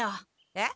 えっ？